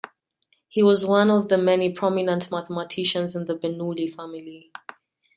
He was one of the many prominent mathematicians in the Bernoulli family.